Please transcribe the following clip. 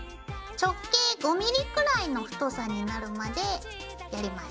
直径５ｍｍくらいの太さになるまでやります。